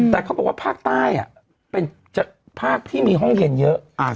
แต่เขาบอกว่าภาคใต้เป็นภาคที่มีห้องเย็นเยอะ